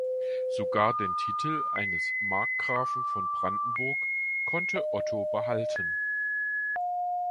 Sogar den Titel eines "Markgrafen von Brandenburg" konnte Otto behalten.